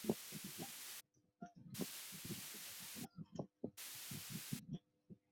兽医是给动物治疗疾病的医生。